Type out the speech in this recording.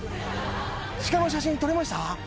シカの写真撮れました？